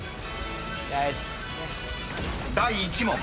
［第１問］